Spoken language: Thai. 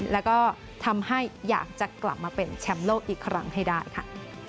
แล้วก็ทำให้อยากจะกลับมาเป็นแชมป์โลกอีกครั้งให้ได้ค่ะ